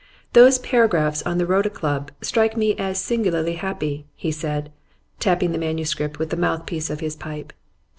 'Those paragraphs on the Rota Club strike me as singularly happy,' he said, tapping the manuscript with the mouthpiece of his pipe.